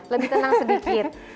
lebih tenang sedikit